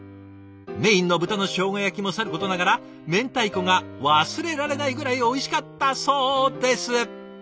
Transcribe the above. メインの豚のしょうが焼きもさることながら明太子が忘れられないぐらいおいしかったそうです！